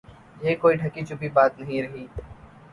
یہ کوئی ڈھکی چھپی بات نہیں رہی۔